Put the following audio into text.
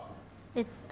えっと